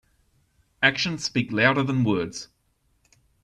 Actions speak louder than words.